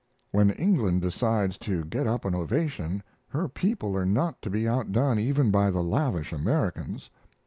When England decides to get up an ovation, her people are not to be outdone even by the lavish Americans.